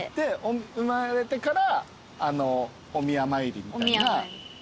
産まれてからお宮参りみたいな。